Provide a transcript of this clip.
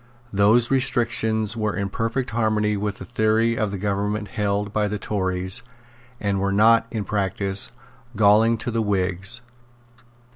Those restrictions were in perfect harmony with the theory of government held by the Tories, and were not, in practice, galling to the Whigs.